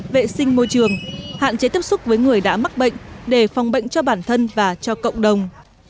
vệ sinh môi trường hạn chế tiếp xúc với người đã mắc bệnh để phòng bệnh cho bản thân và cho cộng đồng